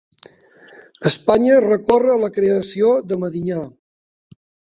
Espanya recorre la creació de Medinyà